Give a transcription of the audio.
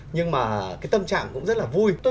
nhưng mà cái tâm trạng cũng rất là vui